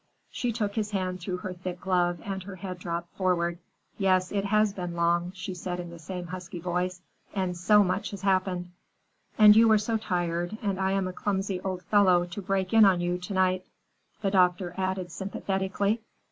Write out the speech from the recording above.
She took his hand through her thick glove and her head dropped forward. "Yes, it has been long," she said in the same husky voice, "and so much has happened." "And you are so tired, and I am a clumsy old fellow to break in on you to night," the doctor added sympathetically.